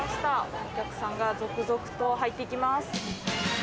お客さんが続々と入っていきます。